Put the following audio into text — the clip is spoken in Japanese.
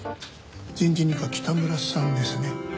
人事二課北村さんですね。